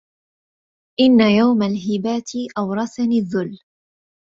إن يوم الهباة أورثني الذل